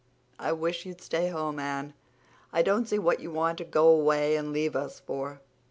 I wish you'd stay home, Anne. I don't see what you want to go away and leave us for."